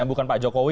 yang bukan pak jokowi